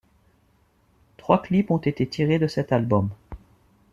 Trois clips ont été tirés de cet album.